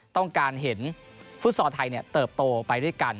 ต้องการเห็นฟุตซอลไทยเติบโตไปด้วยกัน